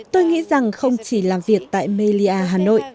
tôi nghĩ rằng không chỉ làm việc tại melia hà nội